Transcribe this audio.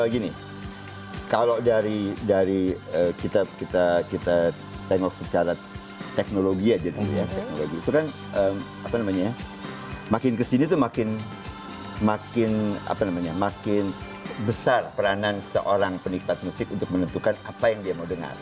gini kalau dari kita tengok secara teknologi aja dulu ya teknologi itu kan makin kesini tuh makin besar peranan seorang penikmat musik untuk menentukan apa yang dia mau dengar